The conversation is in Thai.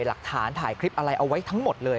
หลักฐานถ่ายคลิปอะไรเอาไว้ทั้งหมดเลย